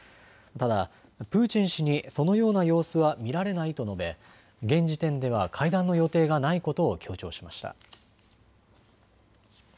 ただプーチン氏にそのような様子は見られないと述べ、現時点では会談の予定がないことを強調しました。